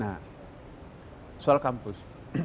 nah soal kampus